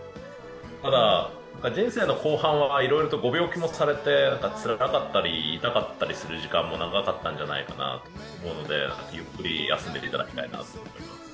ただ、人生の後半はご病気もされてつらかったり、痛かったりする時間が長かったんじゃないかと思うので、ゆっくり休んでいただきたいな。